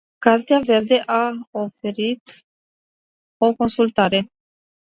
Cartea verde a oferit o consultare...